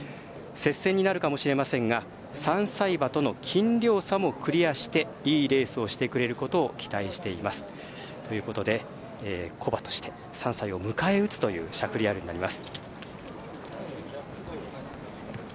接戦になると思いますが３歳馬との斤量差もクリアしていいレースをしてくれることを期待していますということで古馬として３歳を迎え撃つというシャフリヤールになります。